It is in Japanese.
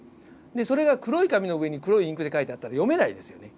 それが黒い紙の上に黒いインクで書いてあったら読めないですよね。